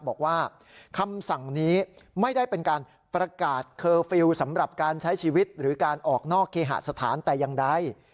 บอกว่าคำสั่งนี้ไม่ได้เป็นการประกาศเคอร์ฟิลล์สำหรับการใช้ชีวิตหรือการออกนอกเคหสถานแต่อย่างใด